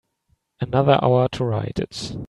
Another hour to write it.